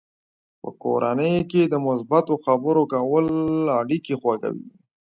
په کورنۍ کې د مثبتو خبرو کول اړیکې خوږوي.